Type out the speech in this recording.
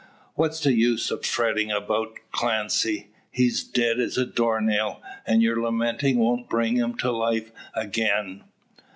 What's the use of fretting about Clancy? He's dead as a door nail, and your lamenting won't bring him to life again.